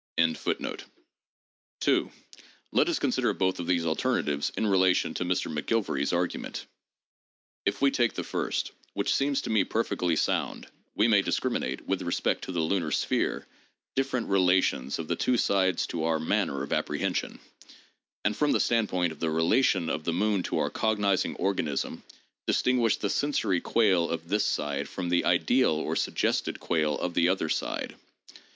Let us consider both of these alternatives in relation to Mr. McGilvary 's argument. If we take the first (which seems to me perfectly sound) we may discriminate, with respect to the lunar sphere, different relations of the two sides to our manner of appre hension ; and from the standpoint of the relation of the moon to our cognizing organism distinguish the sensory quale of this side from the ideal or suggested quale of the other side.